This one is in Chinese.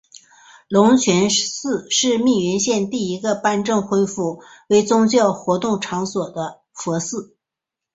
龙泉寺是密云县第一家颁证恢复为宗教活动场所的佛寺。